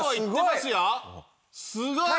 すごい！